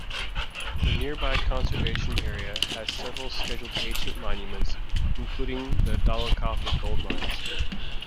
The nearby conservation area has several scheduled ancient monuments including the Dolaucothi Gold Mines.